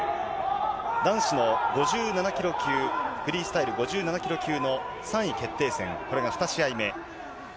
男子の５７キロ級、フリースタイル５７キロ級の３位決定戦、これが２試合目。